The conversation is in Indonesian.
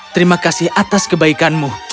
terima kasih atas kebaikanmu